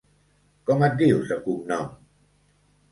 Com et dius de cognom?